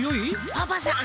パパさん